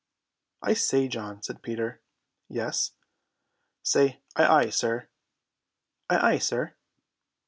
"I say, John," said Peter. "Yes." "Say, 'Ay, ay, sir.'" "Ay, ay, sir."